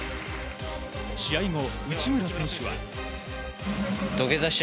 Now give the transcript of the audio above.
試合後、内村選手は。